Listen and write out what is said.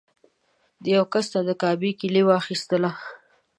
د یوه کس نه د کعبې کیلي واخیستله.